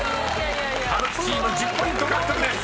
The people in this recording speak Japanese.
［歌舞伎チーム１０ポイント獲得です］